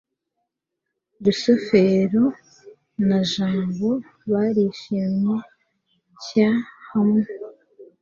rusufero na jabo barishimye cy hamwe